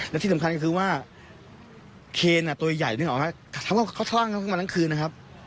และที่สำคัญก็คือว่าเครน่ะตัวใหญ่นึงออกมาทำให้เขาสร้างขึ้นมาตั้งคืนนะครับ